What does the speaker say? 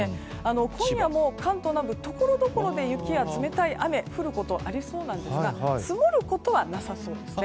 今夜も関東南部ところどころで雪や冷たい雨が降ることがありそうですが積もることはなさそうですね。